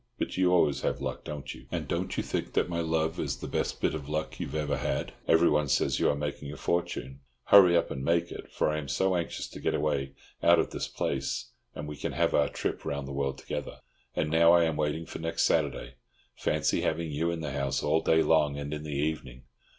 But you always have luck, don't you? And don't you think that my love is the best bit of luck you have ever had! Everyone says you are making a fortune—hurry up and make it, for I am so anxious to get away out of this place, and we can have our trip round the world together. And now I am waiting for next Saturday. Fancy having you in the house all day long and in the evening!